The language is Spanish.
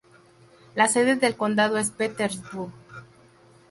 La sede del condado es Petersburg.